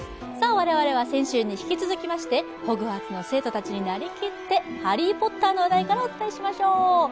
我々は先週に引き続きまして、ホグワーツの生徒たちになりきってハリー・ポッターの話題からお伝えしましょう。